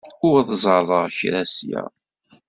Ur ẓerreɣ kra ssya.